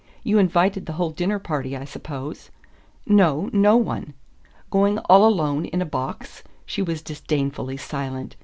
"You invited the whole dinner party, I suppose?" "No no one." "Going all alone in a box?" She was disdainfully silent.